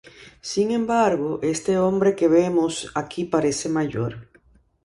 Sin embargo, este hombre que vemos aquí parece mayor.